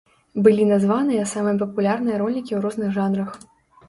Былі названыя самыя папулярныя ролікі ў розных жанрах.